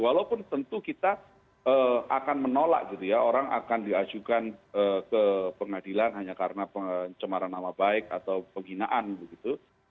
walaupun tentu kita akan menolak gitu ya orang akan diajukan ke pengadilan hanya karena pencemaran nama baik atau penghinaan begitu